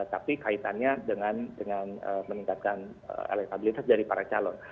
tapi kaitannya dengan meningkatkan elektabilitas dari para calon